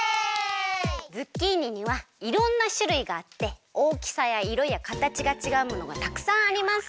ズッキーニにはいろんなしゅるいがあっておおきさやいろやかたちがちがうものがたくさんあります。